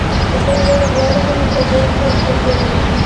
د ښو او بدو دواړو په مقابل کښي ښه کوئ!